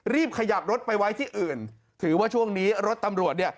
ขยับรถไปไว้ที่อื่นถือว่าช่วงนี้รถตำรวจเนี่ย